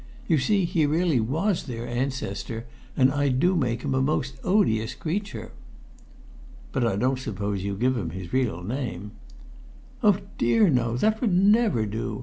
You see, he really was their ancestor, and I do make him a most odious creature." "But I don't suppose you give his real name?" "Oh, dear, no. That would never do.